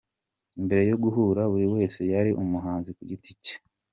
Mbere yo guhura, buri wese yari umuhanzi ku giti cye.